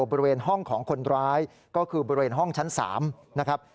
บริเวณห้องของคนร้ายก็คือบริเวณห้องชั้น๓นะครับ